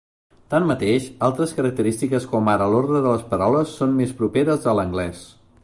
Tanmateix, altres característiques com ara l'ordre de les paraules són més properes a l'anglès.